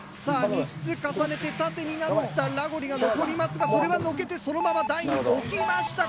３つ重ねて縦になったラゴリが残りますがそれはのけてそのまま台に置きました。